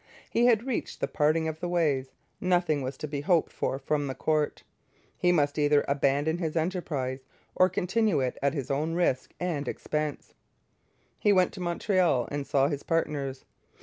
He had reached the parting of the ways. Nothing was to be hoped for from the court. He must either abandon his enterprise or continue it at his own risk and expense. He went to Montreal and saw his partners.